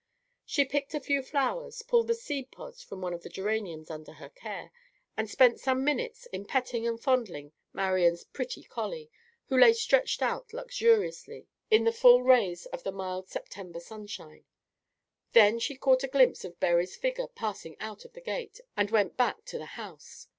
She picked a few flowers, pulled the seed pods from one of the geraniums under her care, and spent some minutes in petting and fondling Marian's pretty colly, who lay stretched out luxuriously in the full rays of the mild September sunshine. Then she caught a glimpse of Berry's figure passing out of the gate, and went back to the house.